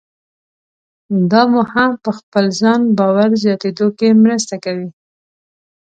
دا مو هم په خپل ځان باور زیاتېدو کې مرسته کوي.